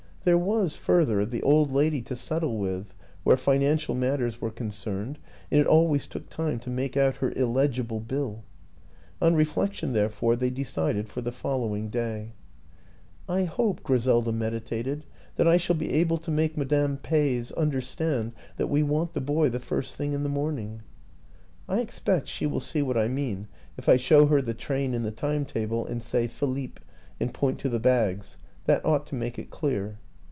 There was, further, the old lady to settle with where financial matters were con cerned, and it always took time to make out her illegible bill. On reflection, therefore, they de cided for the following day. 54 WILLIAM AN ENGLISHMAN " I hope," Griselda meditated, " that I shall be able to make Madame Peys understand that we want the boy the first thing in the morning. I expect she will see what I mean if I show her the train in the time table and say ' Philippe/ and point to the bags. That ought to make it clear.